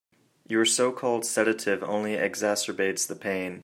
Your so-called sedative only exacerbates the pain.